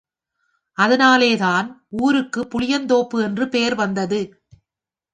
அதனாலேதான் ஊருக்கு புளியந்தோப்பு என்று பெயர் வந்தது.